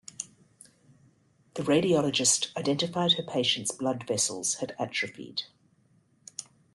The radiologist identified her patient's blood vessels had atrophied.